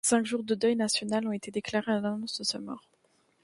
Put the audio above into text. Cinq jours de deuil national ont été déclarés à l'annonce de sa mort.